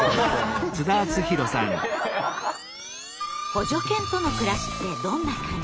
補助犬との暮らしってどんな感じ？